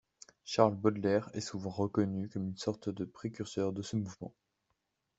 Charles Baudelaire est souvent reconnu comme une sorte de précurseur de ce mouvement.